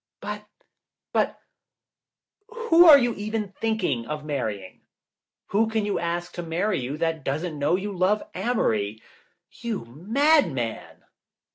"But — but, who are you even thinking of marrying? Who can you ask to marry you that doesn't know you love Amory? You mad man!"